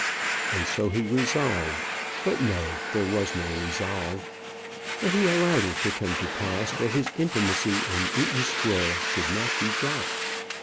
And so he resolved but, no, there was no resolve; but he allowed it to come to pass that his intimacy in Eaton Square should not be dropped.